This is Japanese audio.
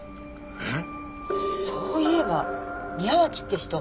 えっ？